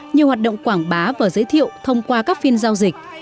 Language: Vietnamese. nhiều hoạt động quảng bá và giới thiệu thông qua các phiên giao dịch